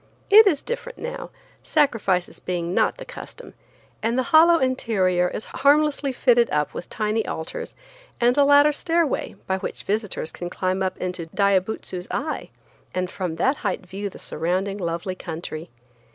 It is different now, sacrifices being not the custom, and the hollow interior is harmlessly fitted up with tiny altars and a ladder stairway by which visitors can climb up into Diabutsu's eye, and from that height view the surrounding lovely country.